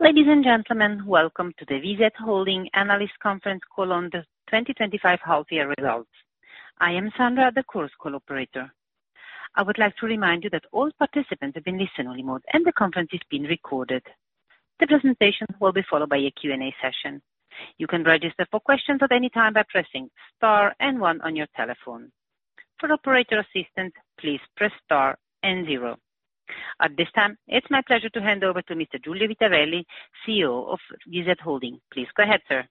Ladies and gentlemen, welcome to the VZ Holding Analyst Conference Call on the 2025 Half-Year Results. I am Sandra, the Chorus Call operator. I would like to remind you that all participants have been listened to on remote and the conference is being recorded. The presentation will be followed by a Q&A session. You can register for questions at any time by pressing star and one on your telephone. For operator assistance, please press star and zero. At this time, it's my pleasure to hand over to Mr. Giulio Vitarelli, CEO of VZ Holding. Please go ahead, sir.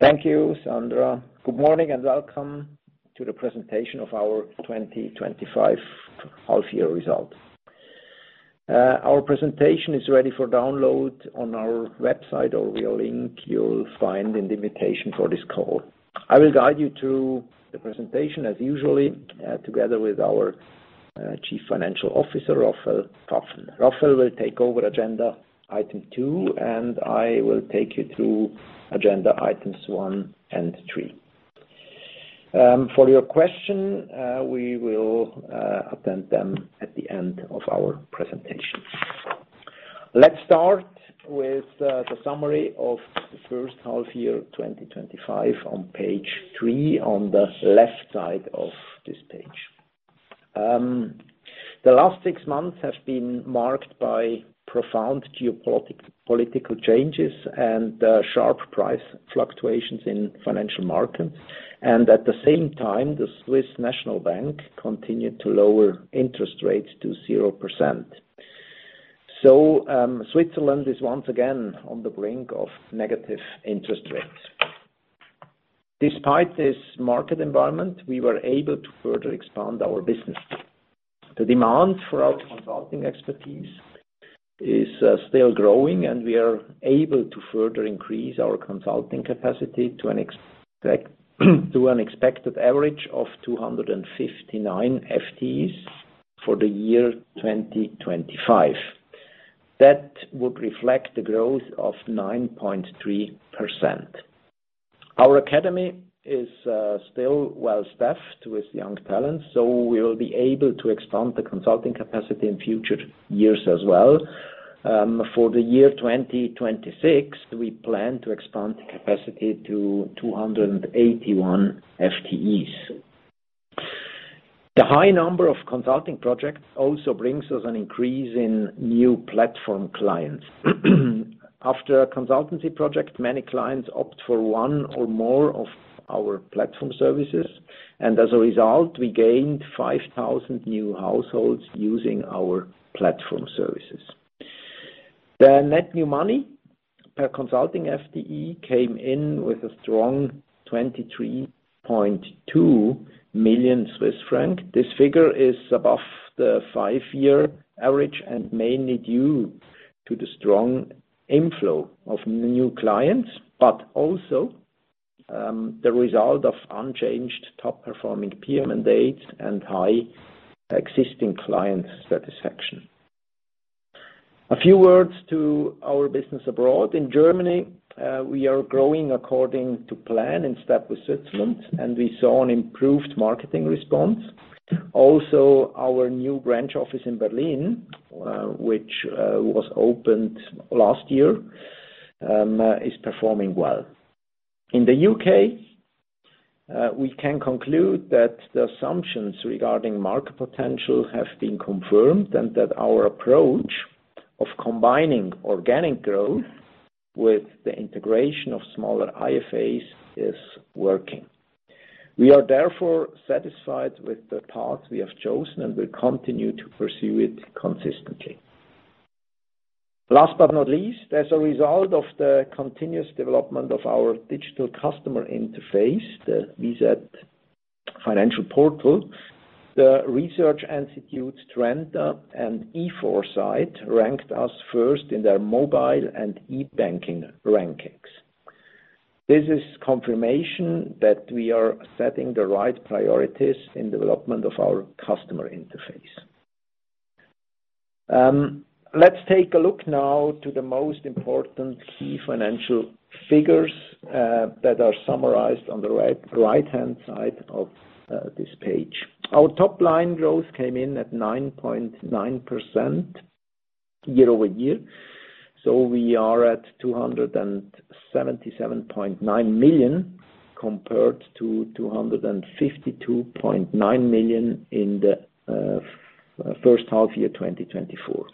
Thank you, Sandra. Good morning and welcome to the presentation of our 2025 half-year results. Our presentation is ready for download on our website, or via the link you'll find in the invitation for this call. I will guide you through the presentation, as usually, together with our Chief Financial Officer, Rafael Pfaffen. Rafael will take over agenda item two, and I will take you through agenda items one and three. For your questions, we will attend them at the end of our presentation. Let's start with the summary of the first half-year 2025 on page three on the left side of this page. The last six months have been marked by profound geopolitical changes and sharp price fluctuations in financial markets. At the same time, the Swiss National Bank continued to lower interest rates to 0%. Switzerland is once again on the brink of negative interest rates. Despite this market environment, we were able to further expand our business. The demand for our consulting expertise is still growing, and we are able to further increase our consulting capacity to an expected average of 259 FTEs for the year 2025. That would reflect a growth of 9.3%. Our academy is still well-staffed with young talent, so we will be able to expand the consulting capacity in future years as well. For the year 2026, we plan to expand the capacity to 281 FTEs. The high number of consulting projects also brings us an increase in new platform clients. After a consultancy project, many clients opt for one or more of our platform services, and as a result, we gained 5,000 new households using our platform services. The net new money per consulting FTE came in with a strong 23.2 million Swiss franc. This figure is above the five-year average and mainly due to the strong inflow of new clients, but also the result of unchanged top-performing PM mandates and high existing client satisfaction. A few words to our business abroad. In Germany, we are growing according to plan in step with Switzerland, and we saw an improved marketing response. Also, our new branch office in Berlin, which was opened last year, is performing well. In the U.K., we can conclude that the assumptions regarding market potential have been confirmed and that our approach of combining organic growth with the integration of smaller IFAs is working. We are therefore satisfied with the path we have chosen and will continue to pursue it consistently. Last but not least, as a result of the continuous development of our digital customer interface, the VZ Finanzportal, the research institutes Strenda and E4site ranked us first in their mobile and e-banking rankings. This is confirmation that we are setting the right priorities in the development of our customer interface. Let's take a look now to the most important key financial figures that are summarized on the right-hand side of this page. Our top-line growth came in at 9.9% year over year, so we are at 277.9 million compared to 252.9 million in the first half-year 2024.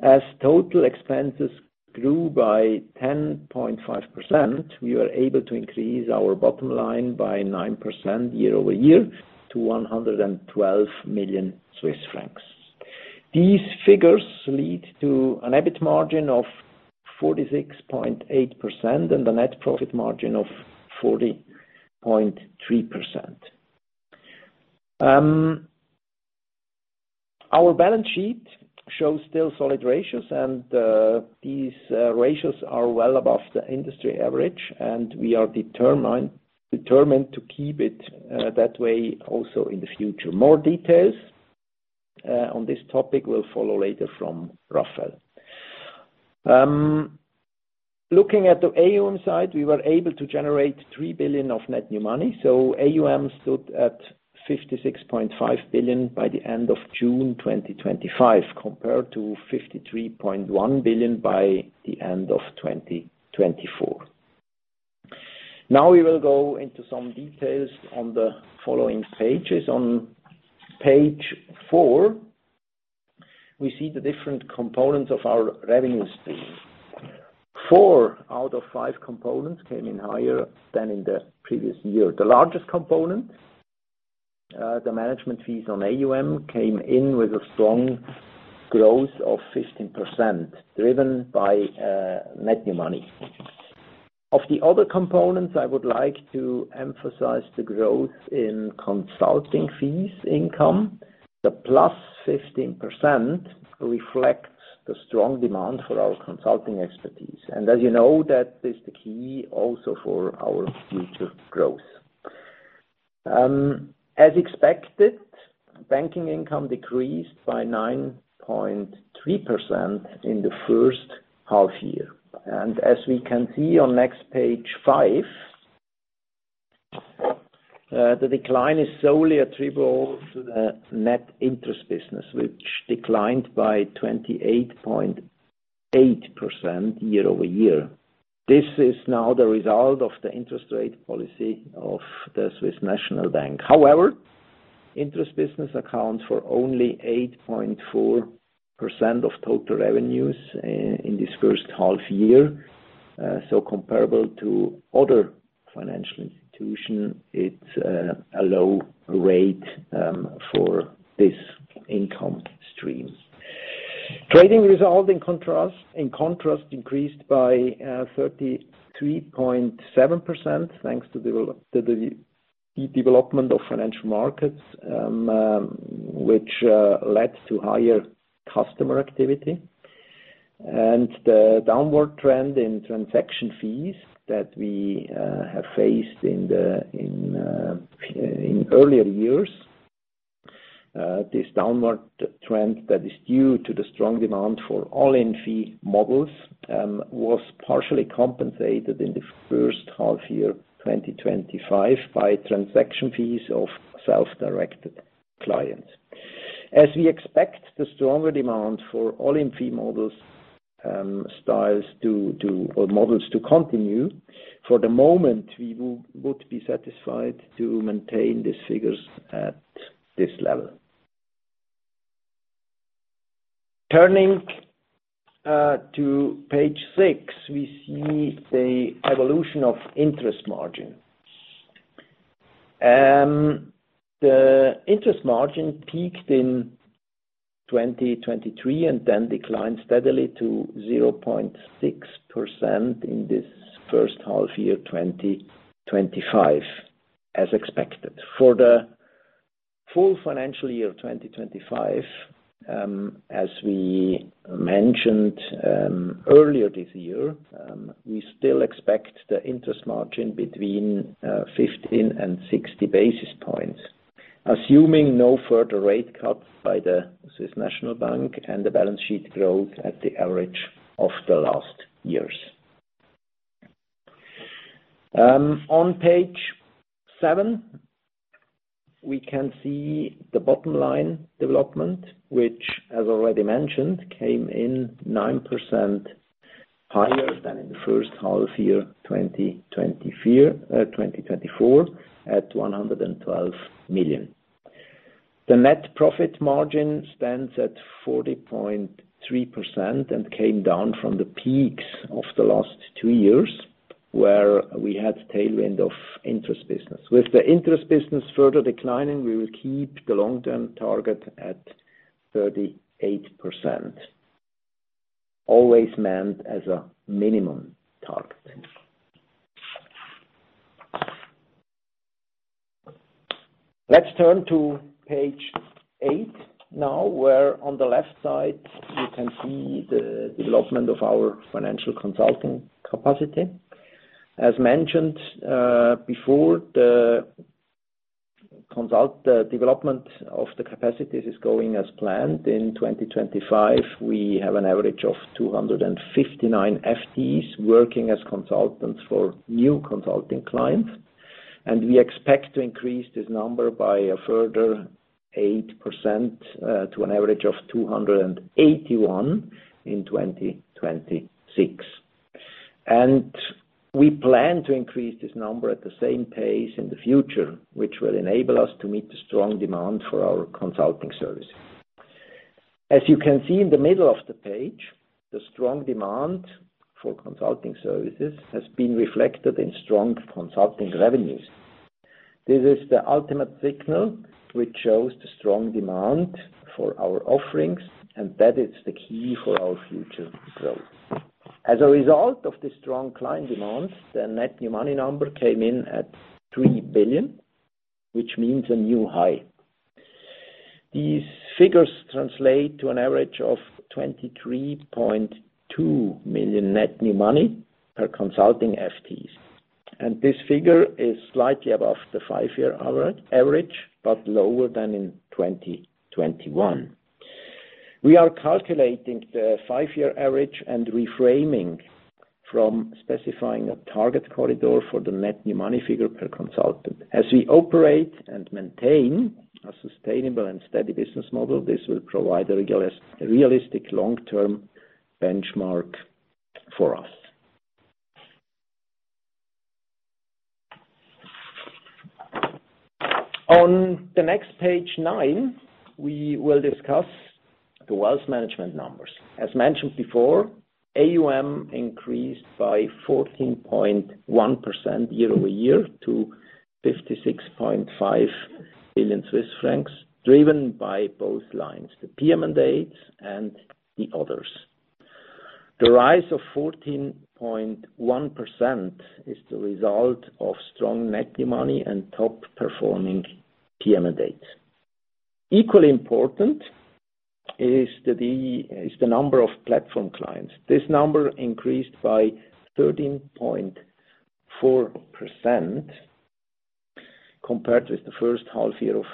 As total expenses grew by 10.5%, we were able to increase our bottom line by 9% year over year to 112 million Swiss francs. These figures lead to an EBIT margin of 46.8% and a net profit margin of 40.3%. Our balance sheet shows still solid ratios, and these ratios are well above the industry average, and we are determined to keep it that way also in the future. More details on this topic will follow later from Rafael. Looking at the AUM side, we were able to generate 3 billion of net new money, so AUM stood at 56.5 billion by the end of June 2025 compared to 53.1 billion by the end of 2024. Now we will go into some details on the following pages. On page four, we see the different components of our revenue stream. Four out of five components came in higher than in the previous year. The largest component, the management fees on AUM, came in with a strong growth of 15% driven by net new money. Of the other components, I would like to emphasize the growth in consulting fees income. The plus 15% reflects the strong demand for our consulting expertise. As you know, that is the key also for our future growth. As expected, banking income decreased by 9.3% in the first half year. As we can see on next page five, the decline is solely attributable to the net interest business, which declined by 28.8% year over year. This is now the result of the interest rate policy of the Swiss National Bank. However, interest business accounts for only 8.4% of total revenues in this first half year. Comparable to other financial institutions, it's a low rate for this income stream. Trading result, in contrast, increased by 33.7% thanks to the development of financial markets, which led to higher customer activity. The downward trend in transaction fees that we have faced in earlier years, this downward trend that is due to the strong demand for all-in fee models, was partially compensated in the first half-year 2025 by transaction fees of self-directed clients. As we expect, the stronger demand for all-in fee models to continue. For the moment, we would be satisfied to maintain these figures at this level. Turning to page six, we see the evolution of interest margin. The interest margin peaked in 2023 and then declined steadily to 0.6% in this first half-year 2025, as expected. For the full financial year 2025, as we mentioned earlier this year, we still expect the interest margin between 15 and 60 basis points, assuming no further rate cuts by the Swiss National Bank and the balance sheet growth at the average of the last years. On page seven, we can see the bottom line development, which, as already mentioned, came in 9% higher than in the first half-year 2024 at 112 million. The net profit margin stands at 40.3% and came down from the peaks of the last two years where we had a tailwind of interest business. With the interest business further declining, we will keep the long-term target at 38%, always meant as a minimum target. Let's turn to page eight now, where on the left side, you can see the development of our financial consulting capacity. As mentioned before, the development of the capacities is going as planned. In 2025, we have an average of 259 FTEs working as consultants for new consulting clients, and we expect to increase this number by a further 8% to an average of 281 in 2026. We plan to increase this number at the same pace in the future, which will enable us to meet the strong demand for our consulting services. As you can see in the middle of the page, the strong demand for consulting services has been reflected in strong consulting revenues. This is the ultimate signal which shows the strong demand for our offerings and that it's the key for our future growth. As a result of this strong client demand, the net new money number came in at 3 billion, which means a new high. These figures translate to an average of 23.2 million net new money per consulting FTE. This figure is slightly above the five-year average, but lower than in 2021. We are calculating the five-year average and refraining from specifying a target corridor for the net new money figure per consultant. As we operate and maintain a sustainable and steady business model, this will provide a realistic long-term benchmark for us. On the next page, nine, we will discuss the wealth management numbers. As mentioned before, AUM increased by 14.1% year over year to 56.5 billion Swiss francs, driven by both lines: the PM mandates and the others. The rise of 14.1% is the result of strong net new money and top-performing PM mandates. Equally important is the number of platform clients. This number increased by 13.4% compared with the first half-year of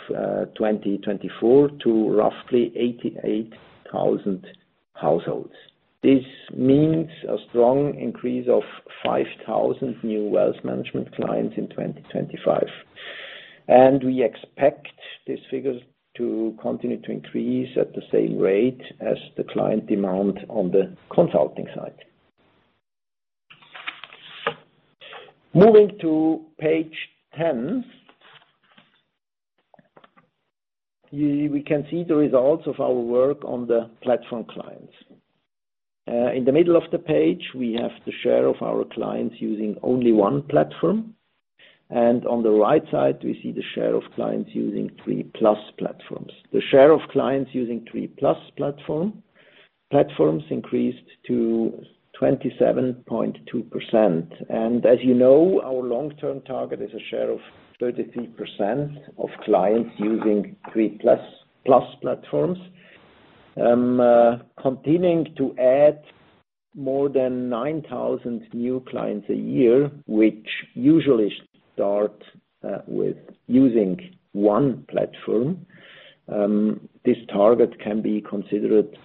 2024 to roughly 88,000 households. This means a strong increase of 5,000 new wealth management clients in 2025. We expect this figure to continue to increase at the same rate as the client demand on the consulting side. Moving to page 10, we can see the results of our work on the platform clients. In the middle of the page, we have the share of our clients using only one platform. On the right side, we see the share of clients using three-plus platforms. The share of clients using three-plus platforms increased to 27.2%. Our long-term target is a share of 33% of clients using three-plus platforms. Continuing to add more than 9,000 new clients a year, which usually start with using one platform, this result can be considered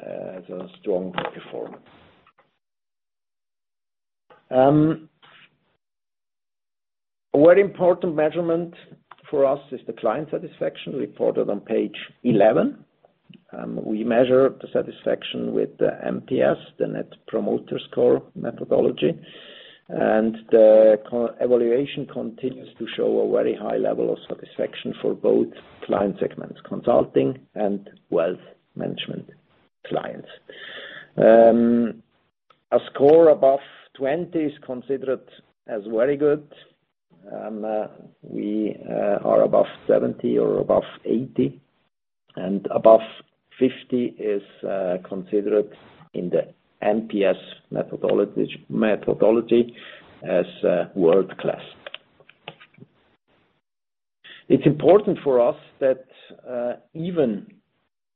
as a strong performer. A very important measurement for us is the client satisfaction reported on page 11. We measure the satisfaction with the NPS, the Net Promoter Score methodology, and the evaluation continues to show a very high level of satisfaction for both client segments, consulting and wealth management clients. A score above 20 is considered as very good. We are above 70 or above 80, and above 50 is considered in the NPS methodology as world-class. It's important for us that even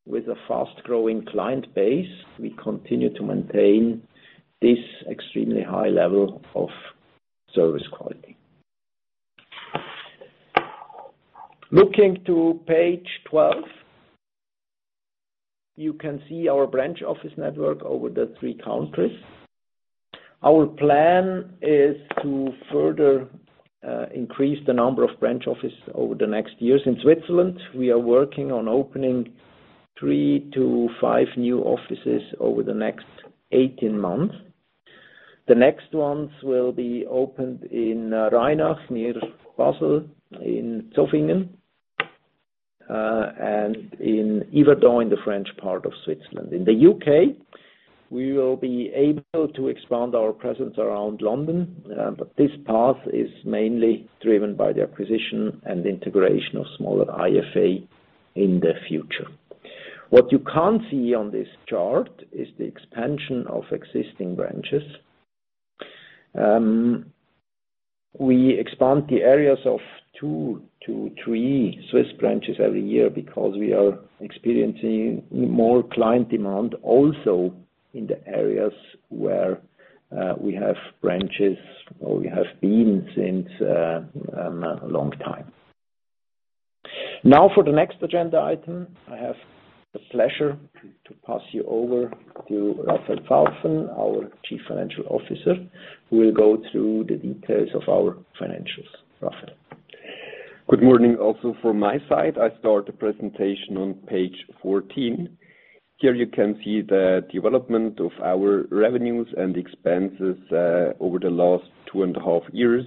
with a fast-growing client base, we continue to maintain this extremely high level of service quality. Looking to page 12, you can see our branch office network over the three countries. Our plan is to further increase the number of branch offices over the next years. In Switzerland, we are working on opening three to five new offices over the next 18 months. The next ones will be opened in Rheinbach near Basel, in Solothurn, and in Yverdon in the French part of Switzerland. In the U.K., we will be able to expand our presence around London. This path is mainly driven by the acquisition and integration of smaller IFA in the future. What you can't see on this chart is the expansion of existing branches. We expand the areas of two to three Swiss branches every year because we are experiencing more client demand also in the areas where we have branches or we have been since a long time. Now, for the next agenda item, I have the pleasure to pass you over to Rafael Pfaffen, our Chief Financial Officer, who will go through the details of our financials. Rafael. Good morning. Also, from my side, I start the presentation on page 14. Here you can see the development of our revenues and expenses over the last two and a half years.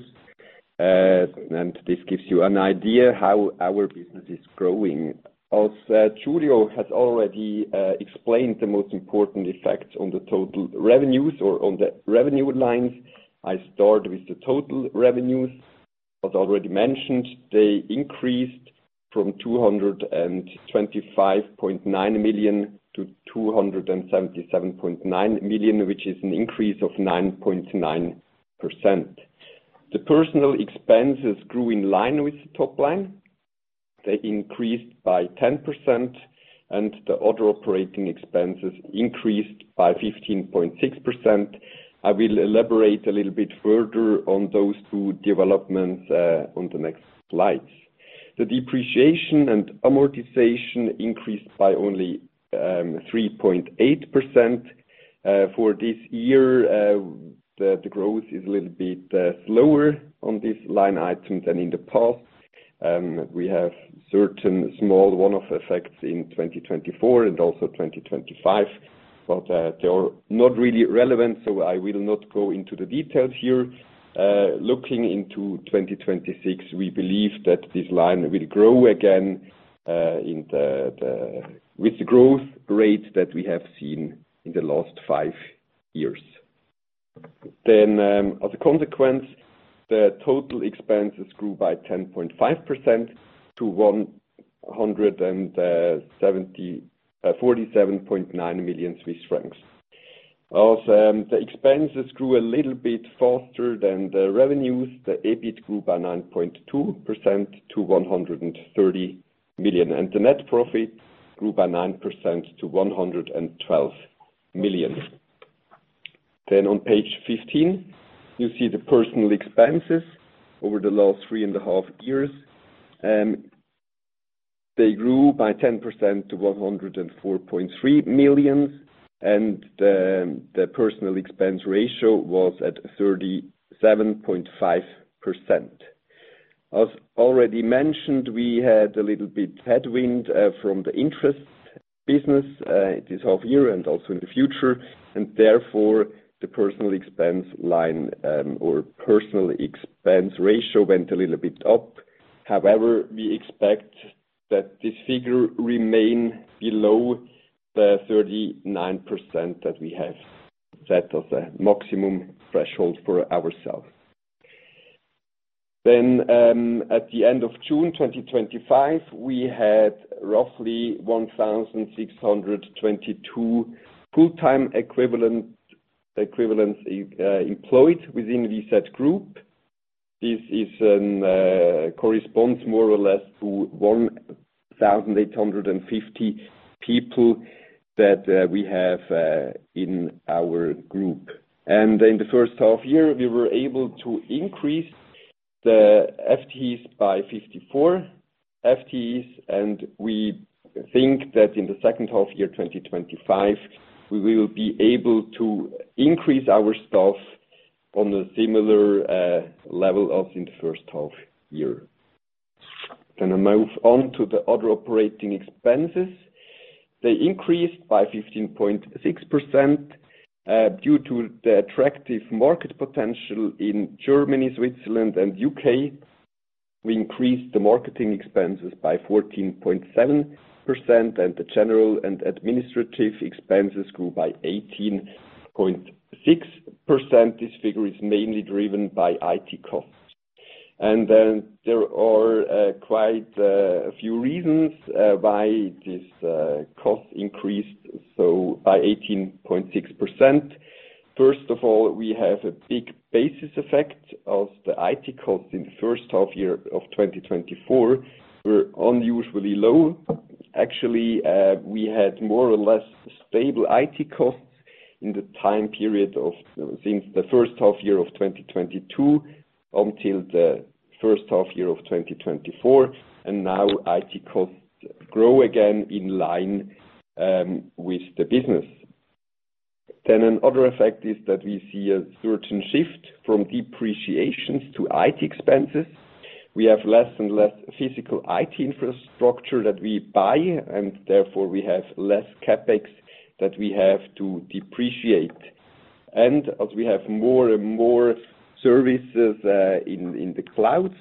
This gives you an idea of how our business is growing. As Giulio has already explained, the most important effects on the total revenues or on the revenue lines, I start with the total revenues. As already mentioned, they increased from 225.9 million to 277.9 million, which is an increase of 9.9%. The personnel expenses grew in line with the top line. They increased by 10%, and the other operating expenses increased by 15.6%. I will elaborate a little bit further on those two developments on the next slides. The depreciation and amortization increased by only 3.8% for this year. The growth is a little bit lower on this line item than in the past. We have certain small one-off effects in 2024 and also 2025, but they are not really relevant, so I will not go into the details here. Looking into 2026, we believe that this line will grow again with the growth rate that we have seen in the last five years. As a consequence, the total expenses grew by 10.5% to 47.9 million Swiss francs. The expenses grew a little bit faster than the revenues. The EBIT grew by 9.2% to 130 million, and the net profit grew by 9% to 112 million. On page 15, you see the personnel expenses over the last three and a half years. They grew by 10% to 104.3 million, and the personnel expense ratio was at 37.5%. As already mentioned, we had a little bit of headwind from the net interest business this half year and also in the future, and therefore, the personnel expense line or personnel expense ratio went a little bit up. However, we expect that this figure remains below the 39% that we have set as a maximum threshold for ourselves. At the end of June 2025, we had roughly 1,622 full-time equivalents employed within VZ Group. This corresponds more or less to 1,850 people that we have in our group. In the first half year, we were able to increase the FTEs by 54 FTEs, and we think that in the second half year 2025, we will be able to increase our staff on a similar level as in the first half year. I move on to the other operating expenses. They increased by 15.6% due to the attractive market potential in Germany, Switzerland, and the U.K.. We increased the marketing expenses by 14.7%, and the general and administrative expenses grew by 18.6%. This figure is mainly driven by IT costs. There are quite a few reasons why this cost increased by 18.6%. First of all, we have a big basis effect as the IT costs in the first half year of 2024 were unusually low. Actually, we had more or less stable IT costs in the time period since the first half year of 2022 until the first half year of 2024, and now IT costs grow again in line with the business. Another effect is that we see a certain shift from depreciations to IT expenses. We have less and less physical IT infrastructure that we buy, and therefore, we have less CapEx that we have to depreciate. As we have more and more services in the cloud,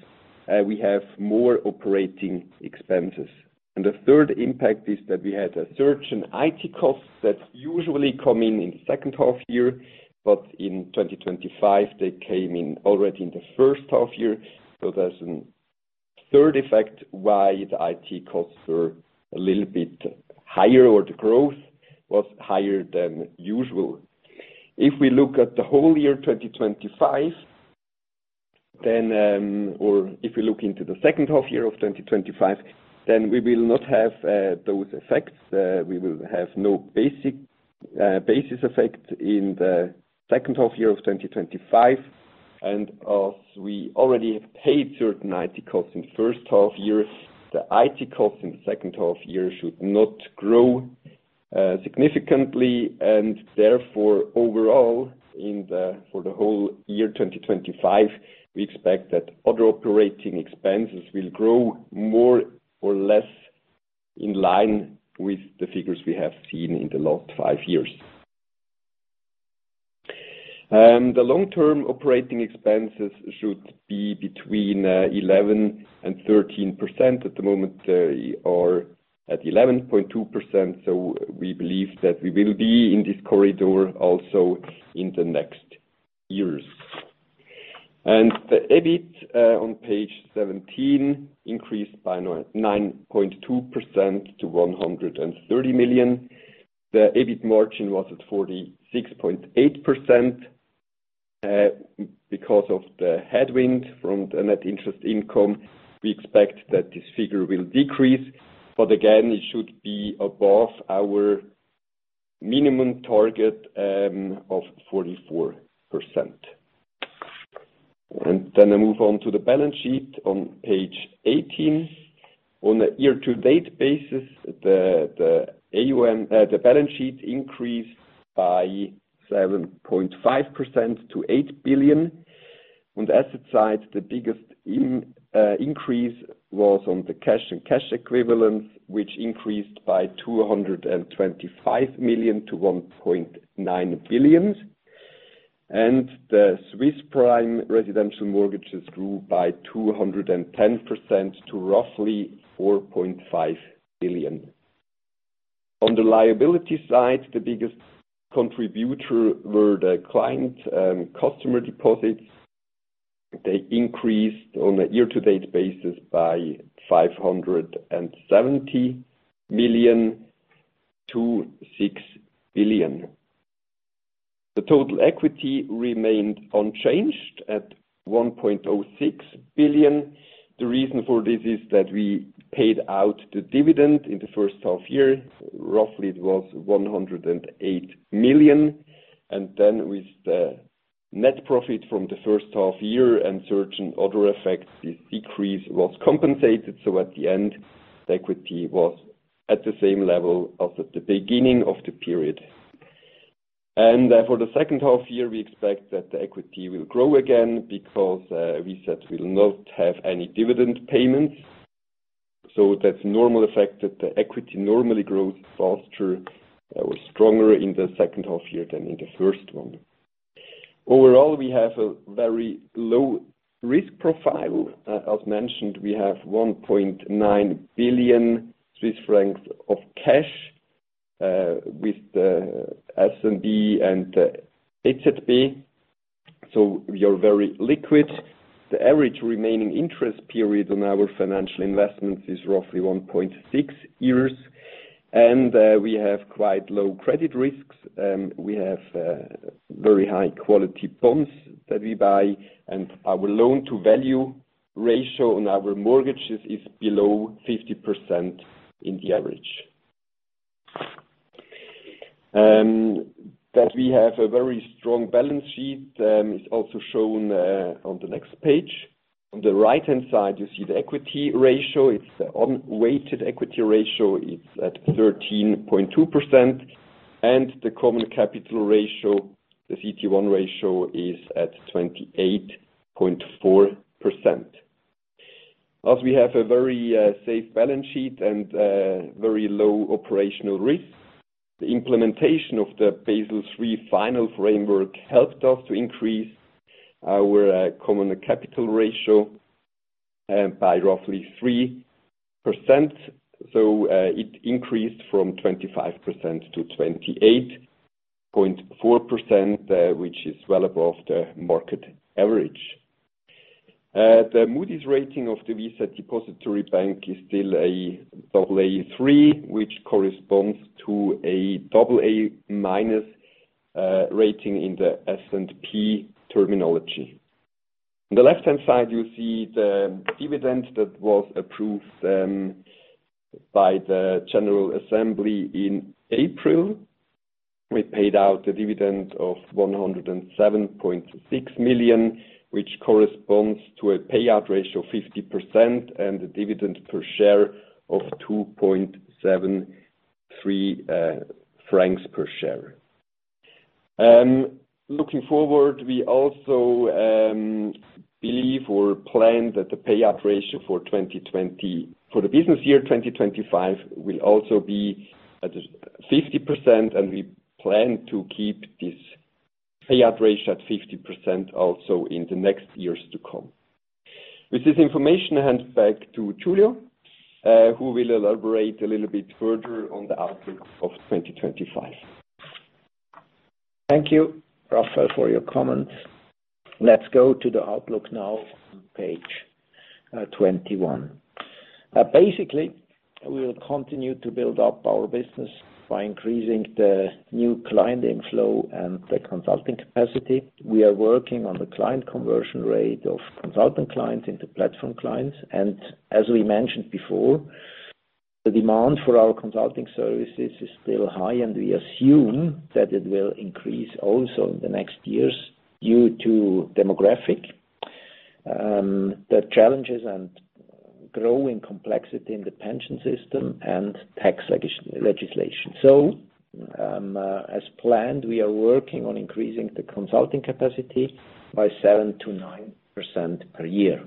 we have more operating expenses. The third impact is that we had a surge in IT costs that usually come in in the second half year, but in 2025, they came in already in the first half year. There is a third effect why the IT costs were a little bit higher or the growth was higher than usual. If we look at the whole year 2025, or if we look into the second half year of 2025, we will not have those effects. We will have no basis effect in the second half year of 2025. As we already have paid certain IT costs in the first half year, the IT costs in the second half year should not grow significantly. Therefore, overall, for the whole year 2025, we expect that other operating expenses will grow more or less in line with the figures we have seen in the last five years. The long-term operating expenses should be between 11% and 13%. At the moment, they are at 11.2%. We believe that we will be in this corridor also in the next years. The EBIT on page 17 increased by 9.2% to 130 million. The EBIT margin was at 46.8%. Because of the headwind from the net interest income, we expect that this figure will decrease. It should be above our minimum target of 44%. I move on to the balance sheet on page 18. On a year-to-date basis, AUM the balance sheet increased by 7.5% to 8 billion. On the asset side, the biggest increase was on the cash and cash equivalent, which increased by 225 million to 1.9 billion. The Swiss Prime residential mortgages grew by 210% to roughly 4.5 billion. On the liability side, the biggest contributor were the client customer deposits. They increased on a year-to-date basis by 570 million to 6 billion. The total equity remained unchanged at 1.06 billion. The reason for this is that we paid out the dividend in the first half year. Roughly, it was 108 million. With the net profit from the first half year and certain other effects, this decrease was compensated. At the end, the equity was at the same level as at the beginning of the period. For the second half year, we expect that the equity will grow again because we said we will not have any dividend payments. That's a normal effect that the equity normally grows faster or stronger in the second half year than in the first one. Overall, we have a very low risk profile. As mentioned, we have 1.9 billion Swiss francs of cash with the SNB and the HSBC. We are very liquid. The average remaining interest period on our financial investments is roughly 1.6 years. We have quite low credit risks. We have very high-quality bonds that we buy, and our loan-to-value ratio on our mortgages is below 50% on average. That we have a very strong balance sheet is also shown on the next page. On the right-hand side, you see the equity ratio. It's an unweighted equity ratio. It's at 13.2%. The common capital ratio, CET1 ratio is at 28.4%. As we have a very safe balance sheet and very low operational risk, the implementation of the Basel III Final framework helped us to increase our common capital ratio by roughly 3%. It increased from 25% to 28.4%, which is well above the market average. The Moody’s rating of the VZ Depository Bank is still AA3, which corresponds to a AA- rating in the S&P terminology. On the left-hand side, you see the dividend that was approved by the General Assembly in April. We paid out a dividend of 107.6 million, which corresponds to a payout ratio of 50% and a dividend per share of 2.73 francs per share. Looking forward, we also believe or plan that the payout ratio for 2024 for the business year 2025 will also be at 50%, and we plan to keep this payout ratio at 50% also in the next years to come. With this information, I hand back to Giulio, who will elaborate a little bit further on the outlook of 2025. Thank you, Rafael, for your comments. Let's go to the outlook now on page 21. Basically, we will continue to build up our business by increasing the new client inflow and the consulting capacity. We are working on the client conversion rate of consultant clients into platform clients. As we mentioned before, the demand for our consulting services is still high, and we assume that it will increase also in the next years due to demographic challenges and growing complexity in the pension system and tax legislation. As planned, we are working on increasing the consulting capacity by 7% to 9% per year.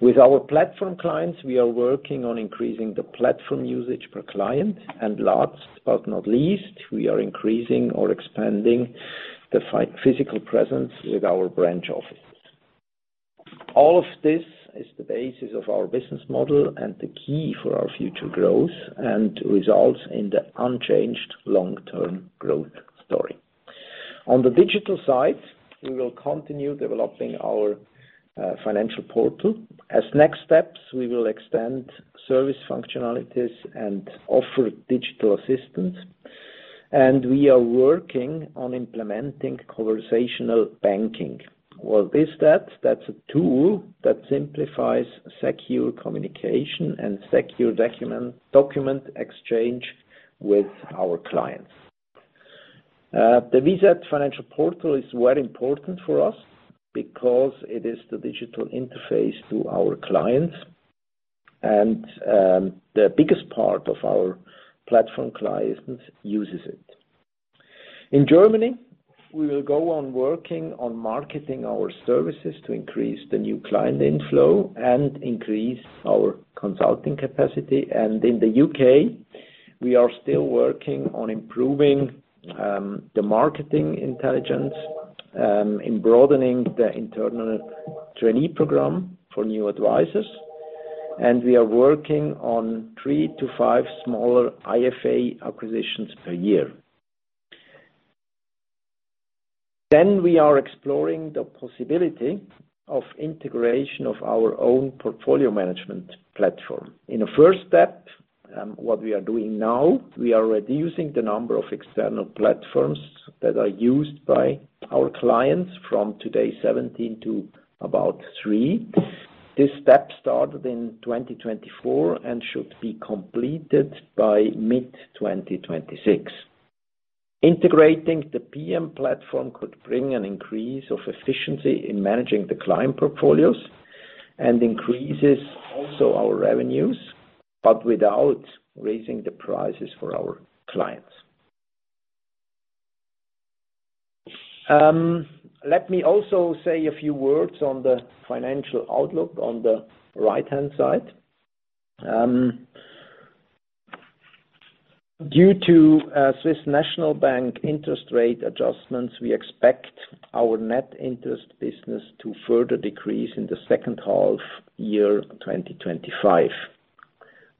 With our platform clients, we are working on increasing the platform usage per client. Last but not least, we are increasing or expanding the physical presence with our branch offices. All of this is the basis of our business model and the key for our future growth and results in the unchanged long-term growth story. On the digital side, we will continue developing our financial portal. As next steps, we will extend service functionalities and offer digital assistance. We are working on implementing conversational banking. What is that? That's a tool that simplifies secure communication and secure document exchange with our clients. The VZ Finanzportal is very important for us because it is the digital interface to our clients, and the biggest part of our platform clients uses it. In Germany, we will go on working on marketing our services to increase the new client inflow and increase our consulting capacity. In the U.K., we are still working on improving the marketing intelligence and broadening the internal trainee program for new advisors. We are working on three to five smaller IFA acquisitions per year. We are exploring the possibility of integration of our own portfolio management platform. In a first step, what we are doing now, we are reducing the number of external platforms that are used by our clients from today 17 to about 3. This step started in 2024 and should be completed by mid-2026. Integrating the PM platform could bring an increase of efficiency in managing the client portfolios and increases also our revenues, but without raising the prices for our clients. Let me also say a few words on the financial outlook on the right-hand side. Due to Swiss National Bank interest rate adjustments, we expect our net interest business to further decrease in the second half year 2025.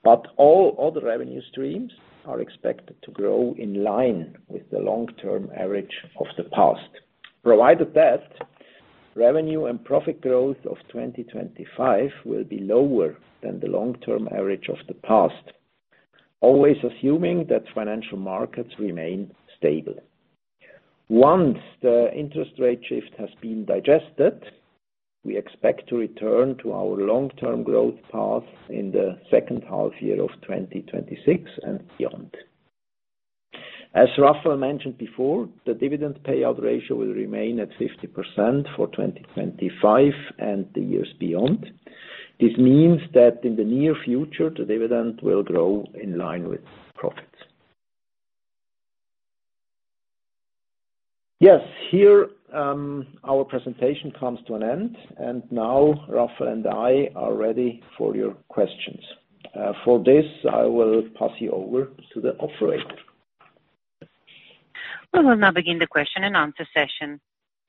All other revenue streams are expected to grow in line with the long-term average of the past. Provided that, revenue and profit growth of 2025 will be lower than the long-term average of the past, always assuming that financial markets remain stable. Once the interest rate shift has been digested, we expect to return to our long-term growth path in the second half year of 2026 and beyond. As Rafael mentioned before, the dividend payout ratio will remain at 50% for 2025 and the years beyond. This means that in the near future, the dividend will grow in line with profits. Here our presentation comes to an end, and now Rafael and I are ready for your questions. For this, I will pass you over to the Operator. We will now begin the question and answer session.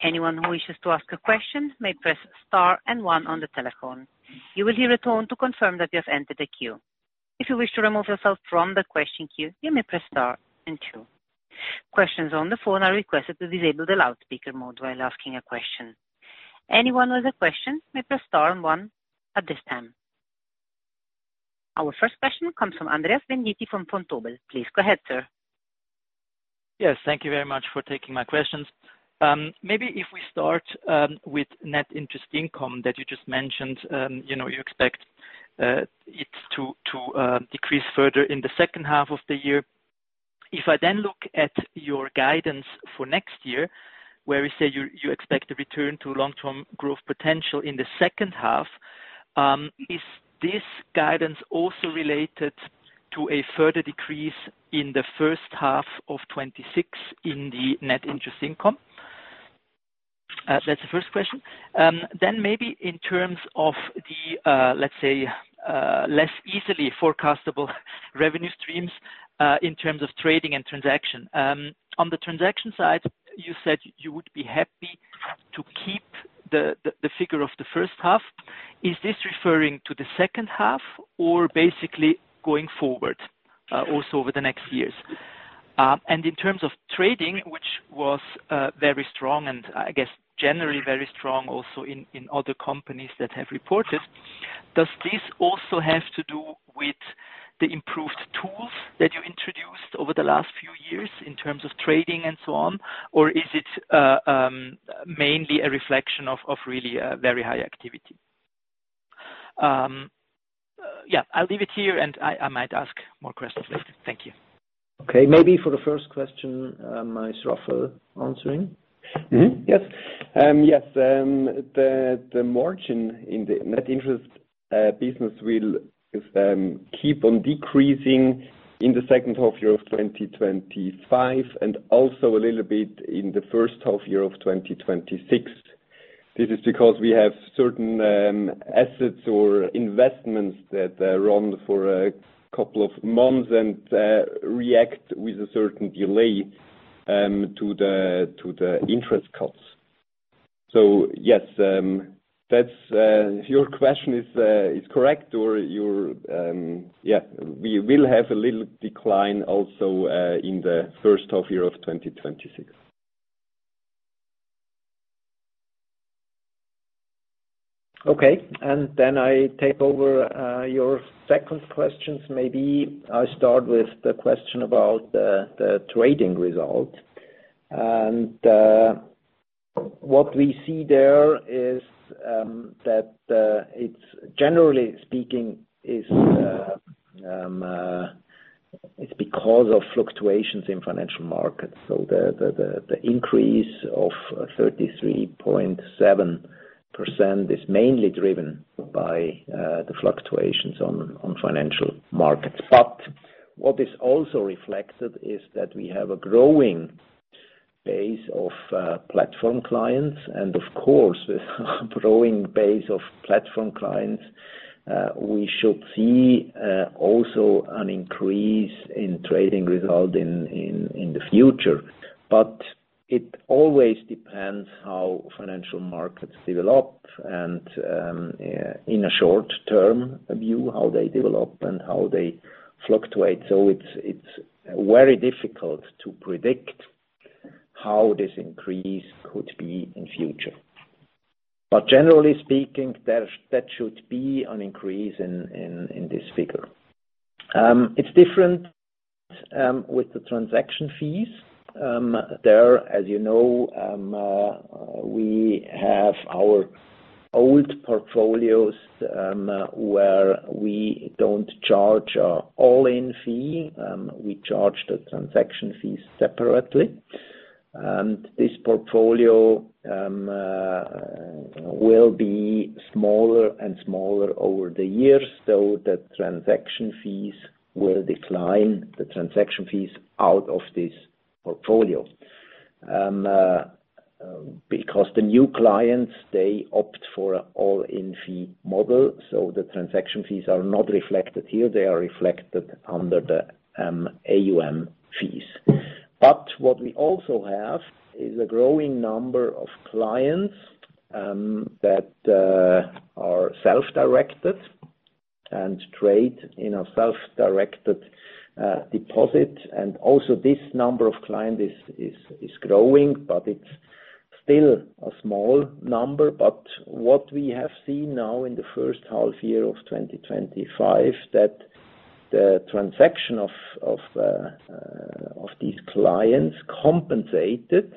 Anyone who wishes to ask a question may press star and one on the telephone. You will hear a tone to confirm that you have entered the queue. If you wish to remove yourself from the question queue, you may press star and two. Participants on the phone are requested to disable the loudspeaker mode while asking a question. Anyone who has a question may press star and one at this time. Our first question comes from Andreas Venditti from Vontobel. Please go ahead, sir. Yes, thank you very much for taking my questions. Maybe if we start with net interest income that you just mentioned, you know, you expect it to decrease further in the second half of the year. If I then look at your guidance for next year, where you say you expect a return to long-term growth potential in the second half, is this guidance also related to a further decrease in the first half of 2026 in the net interest income? That's the first question. Maybe in terms of the, let's say, less easily forecastable revenue streams in terms of trading and transaction. On the transaction side, you said you would be happy to keep the figure of the first half. Is this referring to the second half or basically going forward also over the next years? In terms of trading, which was very strong and I guess generally very strong also in other companies that have reported, does this also have to do with the improved tools that you introduced over the last few years in terms of trading and so on, or is it mainly a reflection of really very high activity? I'll leave it here and I might ask more questions later. Thank you. Okay, maybe for the first question, is Rafael answering? Yes, the margin in the net interest business will keep on decreasing in the second half year of 2025 and also a little bit in the first half year of 2026. This is because we have certain assets or investments that run for a couple of months and react with a certain delay to the interest cuts. Yes, your question is correct, we will have a little decline also in the first half year of 2026. Okay, and then I take over your second question. Maybe I start with the question about the trading result. What we see there is that, generally speaking, it's because of fluctuations in financial markets. The increase of 33.7% is mainly driven by the fluctuations on financial markets. What is also reflected is that we have a growing base of platform clients. Of course, with a growing base of platform clients, we should see also an increase in trading result in the future. It always depends how financial markets develop and in a short-term view how they develop and how they fluctuate. It's very difficult to predict how this increase could be in the future. Generally speaking, that should be an increase in this figure. It's different with the transaction fees. As you know, we have our old portfolios where we don't charge our all-in fee. We charge the transaction fees separately. This portfolio will be smaller and smaller over the years, though the transaction fees will decline. The transaction fees out of this portfolio because the new clients, they opt for an all-in fee model. The transaction fees are not reflected here. They are reflected under the AUM fees. What we also have is a growing number of clients that are self-directed and trade in a self-directed deposit. Also, this number of clients is growing, but it's still a small number. What we have seen now in the first half year of 2025, the transaction of these clients compensated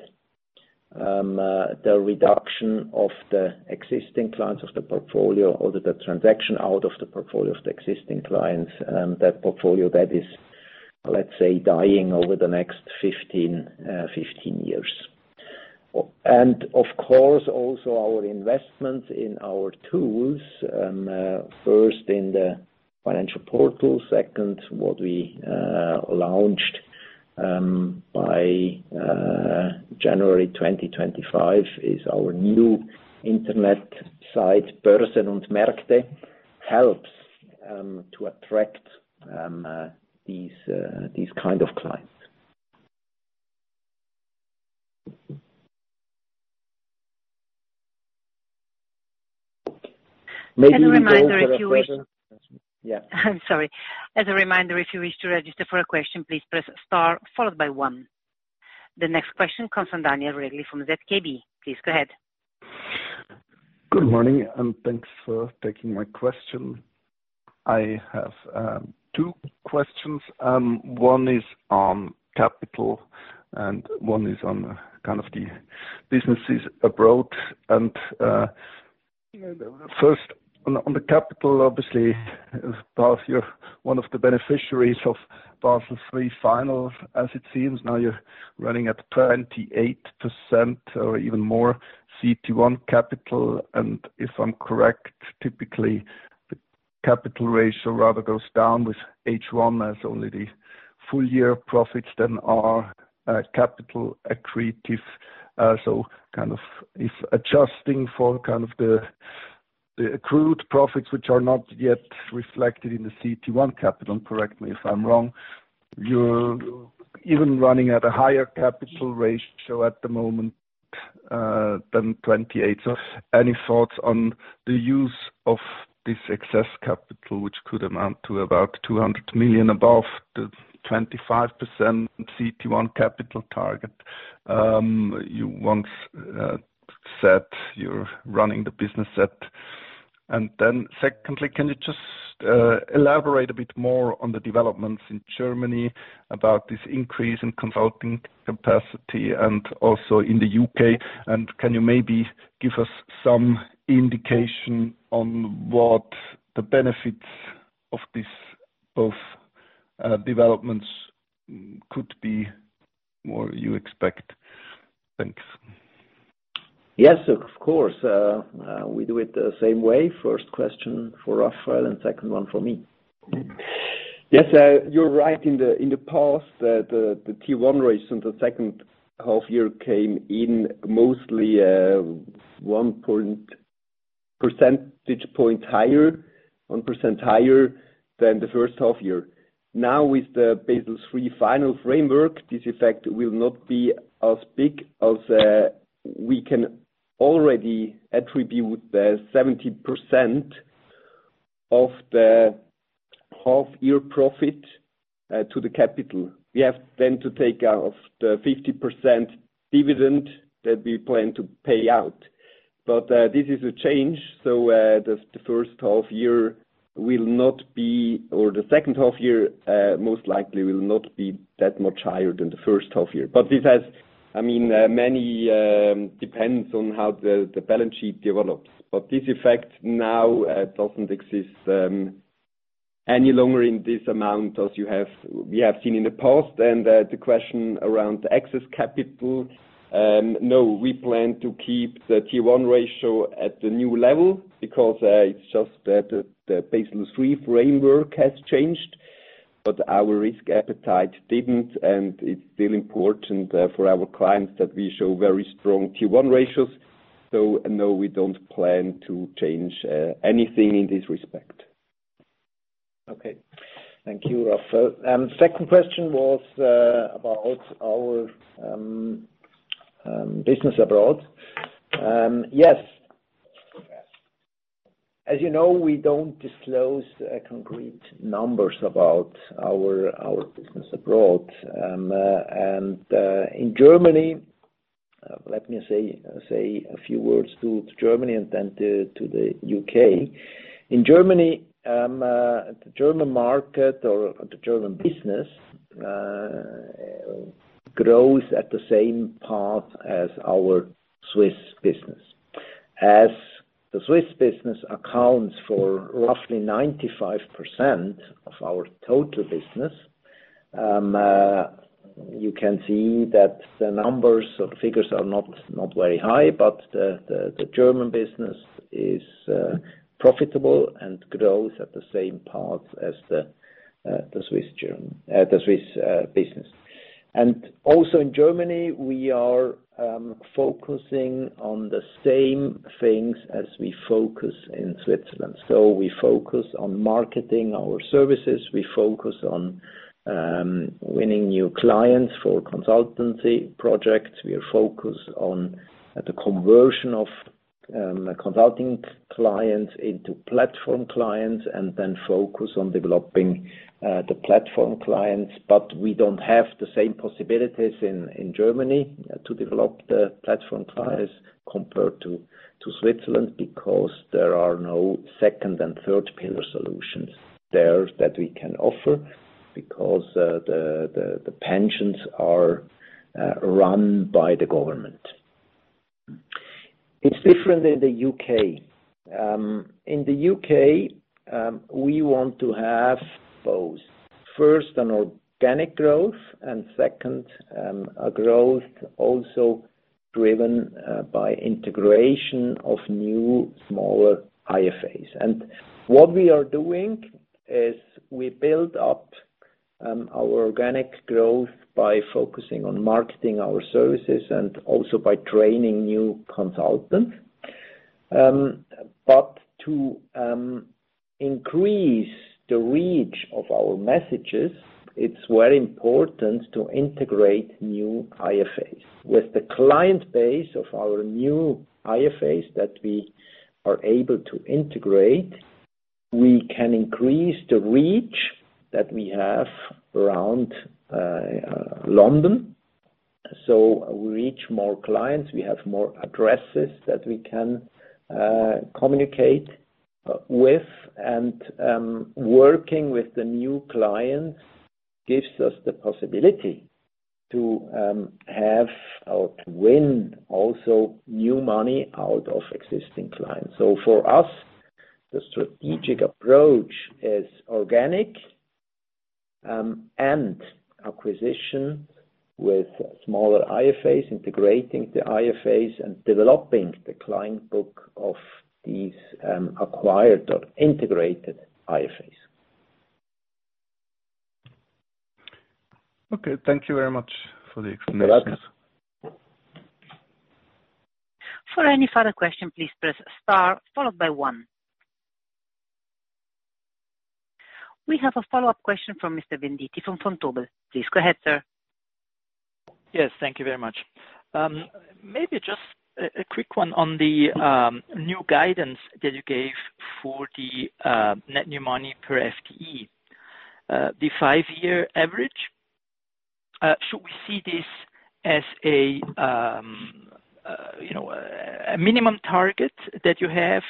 the reduction of the existing clients of the portfolio or the transaction out of the portfolio of the existing clients, that portfolio that is, let's say, dying over the next 15 years. Of course, also our investment in our tools, first in the Finanzportal, second what we launched by January 2025, is our new internet site, Börsen & Märkte, helps to attract these kinds of clients. As a reminder, if you wish to register for a question, please press star followed by one. The next question comes from Daniel Regli from ZKB. Please go ahead. Good morning. Thanks for taking my question. I have two questions. One is on capital and one is on the businesses abroad. First, on the capital, obviously, as you're one of the beneficiaries of Basel III Final, as it seems, now you're running at 28% or even more CET1 capital. If I'm correct, typically, the capital ratio rather goes down with H1 as only the full-year profits then are capital accretive. If adjusting for the accrued profits, which are not yet reflected in the CET1 capital, and correct me if I'm wrong, you're even running at a higher capital ratio at the moment than 28%. Any thoughts on the use of this excess capital, which could amount to about 200 million above the 25% CET1 capital target you once said you're running the business at? Secondly, can you just elaborate a bit more on the developments in Germany about this increase in consulting capacity and also in the U.K.? Can you maybe give us some indication on what the benefits of these both developments could be or you expect? Thanks. Yes, of course. We do it the same way. First question for Rafael and second one for me. Yes, you're right. In the past, the CET1 ratio in the second half year came in mostly 1% higher than the first half year. Now, with the Basel III Final framework, this effect will not be as big as we can already attribute 70% of the half-year profit to the capital. We have then to take out the 50% dividend that we plan to pay out. This is a change. The second half year most likely will not be that much higher than the first half year. This depends on how the balance sheet develops. This effect now doesn't exist any longer in this amount as we have seen in the past. The question around the excess capital, no, we plan to keep the CET1 ratio at the new level because it's just that the Basel III framework has changed. Our risk appetite didn't, and it's still important for our clients that we show very strong CET1 ratios. No, we don't plan to change anything in this respect. Okay. Thank you, Rafael. The second question was about our business abroad. As you know, we don't disclose concrete numbers about our business abroad. In Germany, let me say a few words to Germany and then to the U.K.. In Germany, the German market or the German business grows at the same path as our Swiss business. As the Swiss business accounts for roughly 95% of our total business, you can see that the numbers or the figures are not very high, but the German business is profitable and grows at the same path as the Swiss business. Also in Germany, we are focusing on the same things as we focus in Switzerland. We focus on marketing our services. We focus on winning new clients for consultancy projects. We are focused on the conversion of consulting clients into platform clients and then focus on developing the platform clients. We don't have the same possibilities in Germany to develop the platform clients compared to Switzerland because there are no second and third-pillar solutions there that we can offer because the pensions are run by the government. It's different in the U.K. In the U.K., we want to have both. First, an organic growth, and second, a growth also driven by integration of new smaller IFAs. What we are doing is we build up our organic growth by focusing on marketing our services and also by training new consultants. To increase the reach of our messages, it's very important to integrate new IFAs. With the client base of our new IFAs that we are able to integrate, we can increase the reach that we have around London. We reach more clients. We have more addresses that we can communicate with. Working with the new clients gives us the possibility to have or to win also new money out of existing clients. For us, the strategic approach is organic and acquisition with smaller IFAs, integrating the IFAs, and developing the client book of these acquired or integrated IFAs. Okay, thank you very much for the explanation. For any further question, please press star followed by one. We have a follow-up question from Mr. Venditti from Vontobel. Please go ahead, sir. Yes, thank you very much. Maybe just a quick one on the new guidance that you gave for the net new money per FTE. The five-year average, should we see this as a minimum target that you have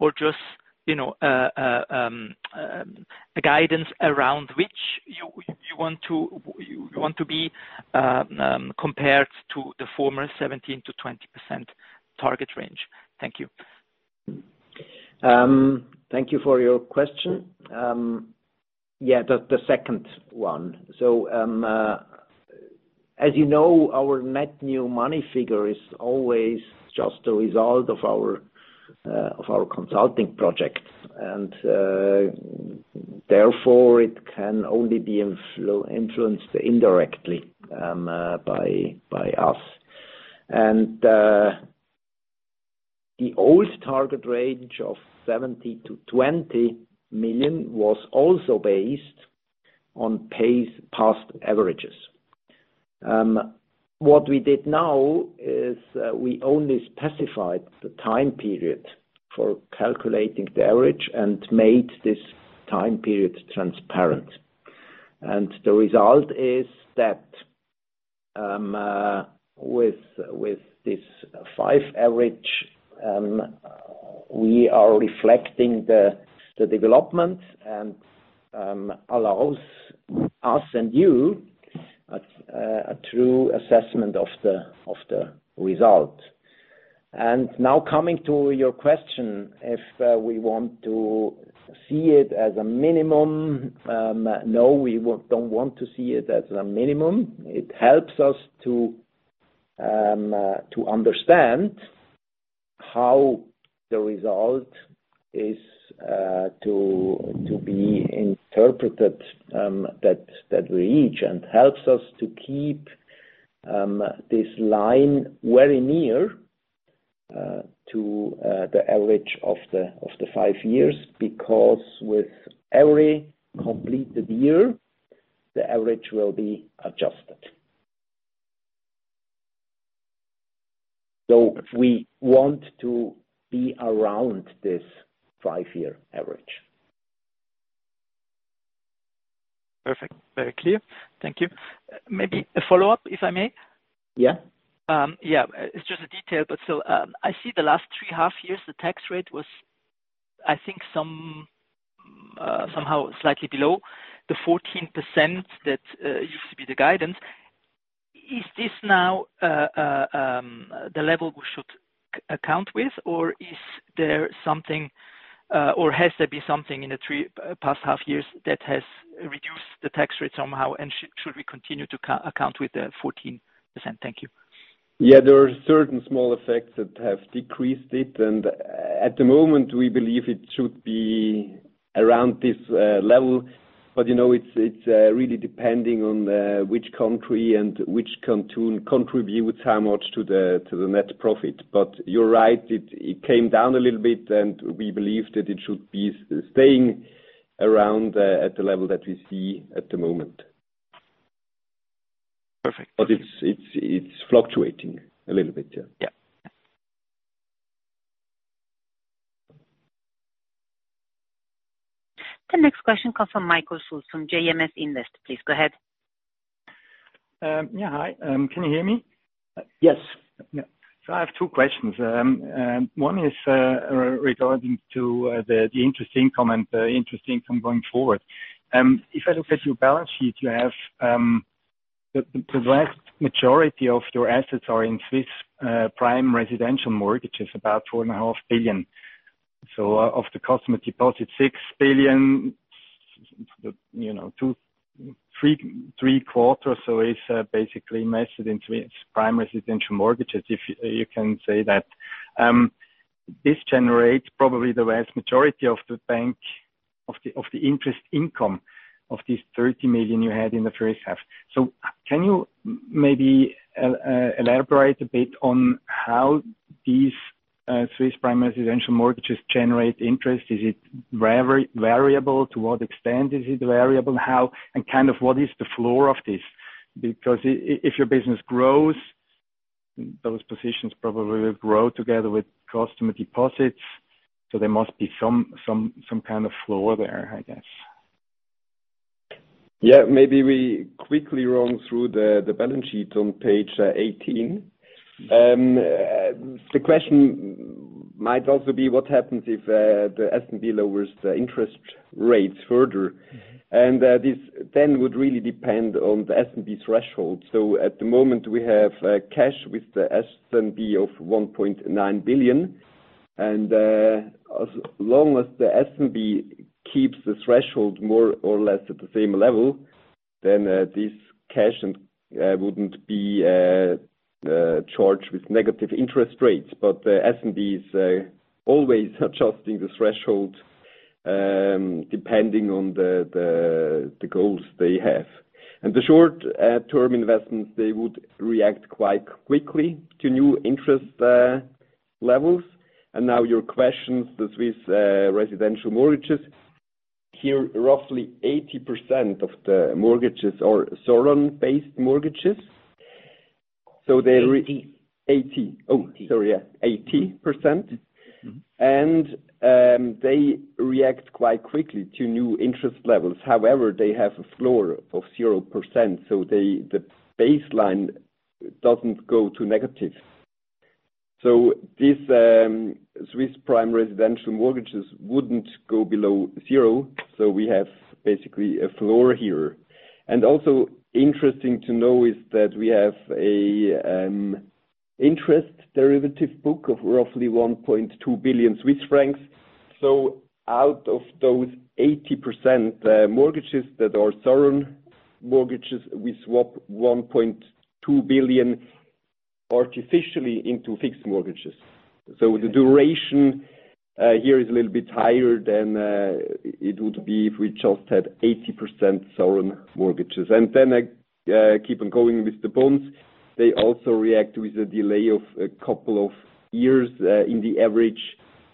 or just a guidance around which you want to be compared to the former 17% to 20% target range? Thank you. Thank you for your question. Yeah, the second one. As you know, our net new money figure is always just the result of our consulting project, and therefore, it can only be influenced indirectly by us. The old target range of 70 million to 120 million was also based on past averages. What we did now is we only specified the time period for calculating the average and made this time period transparent. The result is that with this five-year average, we are reflecting the development and it allows us and you a true assessment of the result. Coming to your question, if we want to see it as a minimum, no, we don't want to see it as a minimum. It helps us to understand how the result is to be interpreted that we reach and helps us to keep this line very near to the average of the five years because with every completed year, the average will be adjusted. We want to be around this five-year average. Perfect. Very clear. Thank you. Maybe a follow-up, if I may? Yeah. Yeah. It's just a detail, but still, I see the last three half years, the tax rate was, I think, somehow slightly below the 14% that used to be the guidance. Is this now the level we should account with, or is there something, or has there been something in the past half years that has reduced the tax rate somehow? Should we continue to account with the 14%? Thank you. Yeah, there are certain small effects that have decreased it. At the moment, we believe it should be around this level. You know, it's really depending on which country and which country contributes how much to the net profit. You're right, it came down a little bit, and we believe that it should be staying around at the level that we see at the moment. Perfect. It's fluctuating a little bit. Yeah. The next question comes from Michael Schultz from JMS Invest. Please go ahead. Hi. Can you hear me? Yes. Yeah. I have two questions. One is regarding the interest income and the interest income going forward. If I look at your balance sheet, you have the vast majority of your assets in Swiss Prime residential mortgages, which is about 4.5 billion. Of the customer deposits, 6 billion, three quarters is basically invested in Swiss Prime residential mortgages, if you can say that. This generates probably the vast majority of the bank, of the interest income, of these 30 million you had in the first half. Can you maybe elaborate a bit on how these Swiss Prime residential mortgages generate interest? Is it variable? To what extent is it variable? How? What is the floor of this? If your business grows, those positions probably will grow together with customer deposits. There must be some kind of floor there, I guess. Yeah, maybe we quickly run through the balance sheet on page 18. The question might also be what happens if the SNB lowers the interest rates further? This then would really depend on the SNB threshold. At the moment, we have cash with the SNB of 1.9 billion. As long as the SNB keeps the threshold more or less at the same level, then this cash wouldn't be charged with negative interest rates. The SNB is always adjusting the threshold depending on the goals they have. The short-term investments would react quite quickly to new interest levels. Now your questions, the Swiss residential mortgages, here roughly 80% of the mortgages are zone-based mortgages. They're 80%, oh, sorry, yeah, 80%. They react quite quickly to new interest levels. However, they have a floor of 0%. The baseline doesn't go to negative. These Swiss Prime residential mortgages wouldn't go below zero. We have basically a floor here. Also interesting to know is that we have an interest derivative book of roughly 1.2 billion Swiss francs. Out of those 80% mortgages that are zone mortgages, we swap 1.2 billion artificially into fixed mortgages. The duration here is a little bit higher than it would be if we just had 80% zone mortgages. I keep on going with the bonds. They also react with a delay of a couple of years on average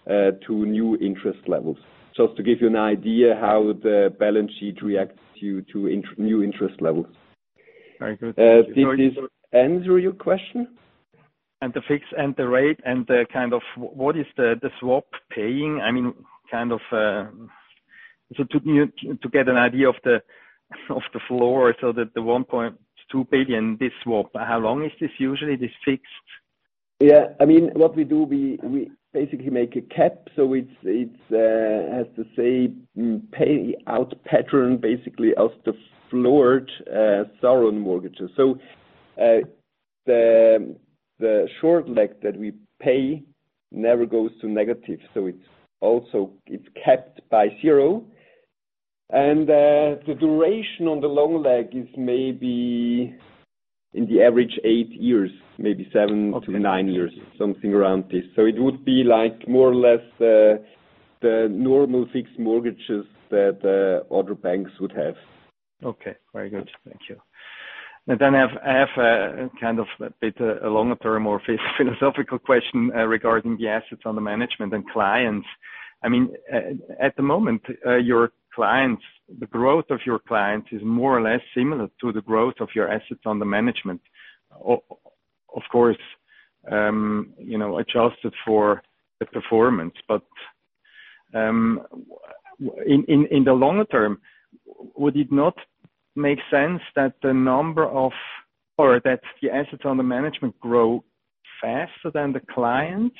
to new interest levels. Just to give you an idea how the balance sheet reacts to new interest levels. Very good. Does this end your question? What is the fixed and the rate and what is the swap paying? I mean, to get an idea of the floor so that the 1.2 billion, this swap, how long is this usually? This fixed? Yeah, I mean, what we do, we basically make a cap. It's a, let's say, payout pattern basically out of the floored zone mortgages. The short leg that we pay never goes to negative, so it's also capped by zero. The duration on the long leg is maybe in the average eight years, maybe seven to nine years, something around this. It would be more or less the normal fixed mortgages that other banks would have. Okay, very good. Thank you. I have a kind of a bit of a longer-term or philosophical question regarding the assets under management and clients. I mean, at the moment, your clients, the growth of your clients is more or less similar to the growth of your assets under management, of course, you know, adjusted for the performance. In the longer term, would it not make sense that the number of or that the assets under management grow faster than the clients?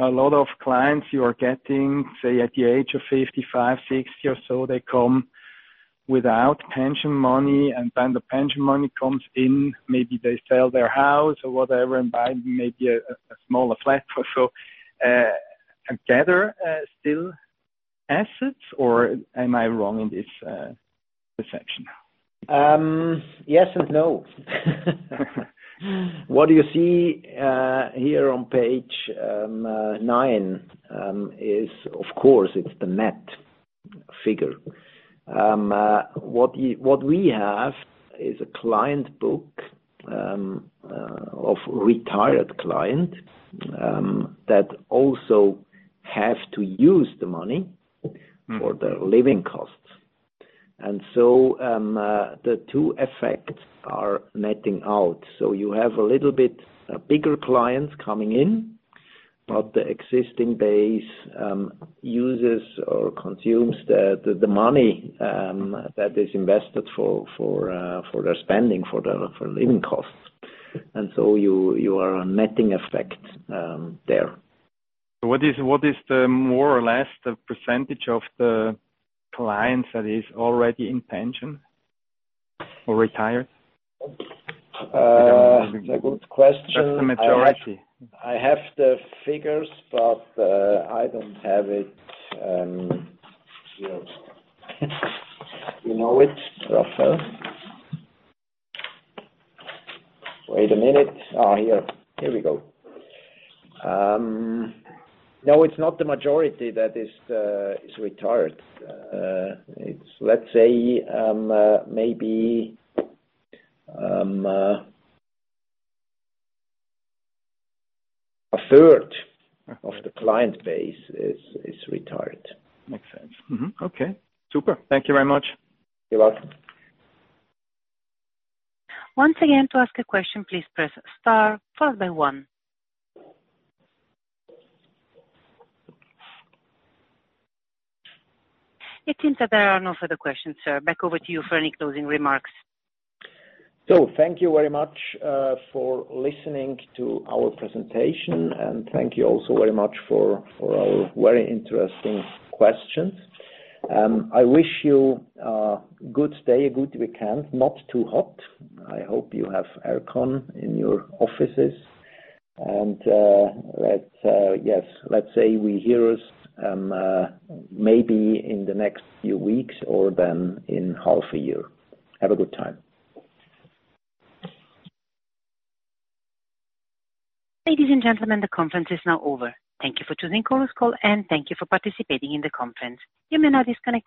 A lot of clients you are getting, say, at the age of 55, 60 or so, they come without pension money, and then the pension money comes in. Maybe they sell their house or whatever and buy maybe a smaller flat. Are there still assets or am I wrong in this section? Yes and no. What you see here on page nine is, of course, it's the net figure. What we have is a client book of retired clients that also have to use the money for their living costs. The two effects are netting out. You have a little bit bigger clients coming in, but the existing base uses or consumes the money that is invested for their spending for their living costs. You are a netting effect there. What is more or less the percentage of the clients that is already in pension or retired? That's a good question. Just the majority. I have the figures, but I don't have it. You know it, Rafael? Wait a minute. Here we go. No, it's not the majority that is retired. Let's say maybe a third of the client base is retired. Makes sense. Okay, super. Thank you very much. You're welcome. Once again, to ask a question, please press star followed by one. It seems that there are no further questions, sir. Back over to you for any closing remarks. Thank you very much for listening to our presentation, and thank you also very much for all very interesting questions. I wish you a good day, a good weekend, not too hot. I hope you have aircon in your offices. Yes, let's say we hear us maybe in the next few weeks or then in half a year. Have a good time. Ladies and gentlemen, the conference is now over. Thank you for choosing Chorus call, and thank you for participating in the conference. You may now disconnect.